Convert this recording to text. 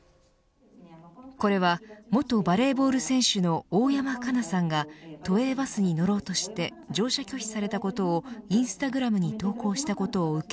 これは元バレーボール選手の大山加奈さんが都営バスに乗ろうとして乗車拒否されたことをインスタグラムに投稿したことを受け